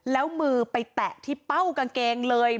แล้วมือไปแตะที่เป้ากางเกงเลย